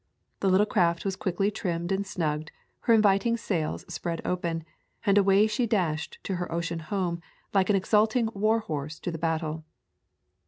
The little craft was quickly trimmed and snugged, her inviting sails spread open, and away she dashed to her ocean home like an exulting war horse to the battle.